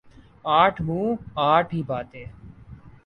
آٹھ منہ آٹھ ہی باتیں ۔